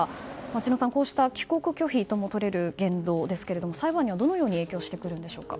知野さん、こうした帰国拒否ともとれる言動ですが裁判にはどのように影響してくるんでしょうか。